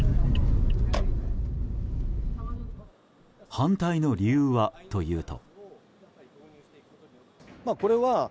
反対の理由はというと。